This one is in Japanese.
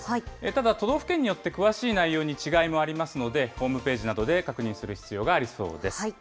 ただ都道府県によって詳しい内容に違いもありますので、ホームページなどで確認する必要がありそうです。